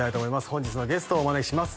本日のゲストをお招きします